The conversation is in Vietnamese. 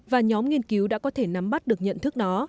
và nhóm nghiên cứu đã có thể nắm bắt được nhận thức nó